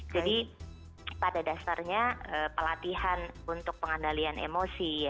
jadi pada dasarnya pelatihan untuk pengandalian emosi ya